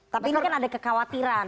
tapi ini kan ada kekhawatiran